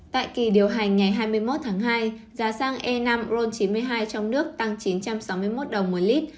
tại kỳ điều hành ngày hai mươi một tháng hai giá xăng e năm ron chín mươi hai trong nước tăng chín trăm sáu mươi một đồng một lít